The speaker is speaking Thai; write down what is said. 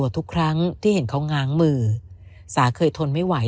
ทุกครั้งที่เห็นเขาง้างมือสาเคยทนไม่ไหว